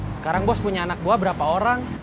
sekarang bos punya anak buah berapa orang